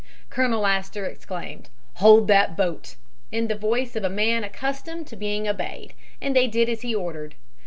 "Colonel Astor exclaimed, 'Hold that boat,' in the voice of a man accustomed to be obeyed, and they did as he ordered.